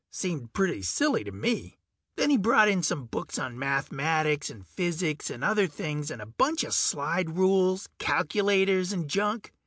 Seemed pretty silly to me. Then he brought in some books on mathematics and physics and other things, and a bunch of slide rules, calculators, and junk.